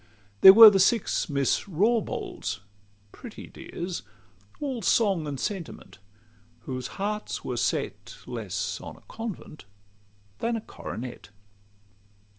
There were the six Miss Rawbolds pretty dears! All song and sentiment; whose hearts were set Less on a convent than a coronet.